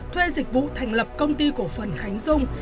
thuê dịch vụ thành lập công ty cổ phần khánh dung